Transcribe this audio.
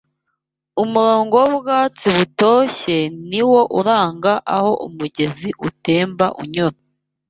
umurongo w’ubwatsi butoshye ni wo uranga aho umugezi utemba unyura